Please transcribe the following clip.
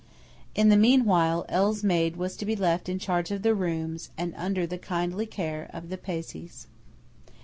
In the meanwhile L.'s maid was to be left in charge of the rooms, and under the kindly care of the Pezzés.